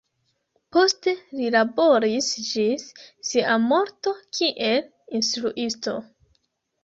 Poste li laboris ĝis sia morto kiel instruisto.